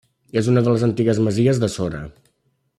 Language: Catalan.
És una de les antigues masies de Sora.